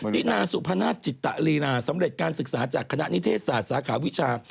นาสุพนาศจิตลีลาสำเร็จการศึกษาจากคณะนิเทศศาสตร์สาขาวิชา